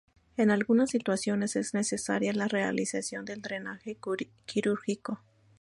En algunas situaciones es necesaria la realización de drenaje quirúrgico